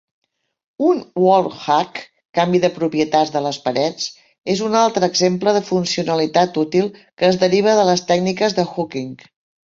Un wallhack (canvi de propietats de les parets) és un altre exemple de funcionalitat útil que es deriva de les tècniques de hooking.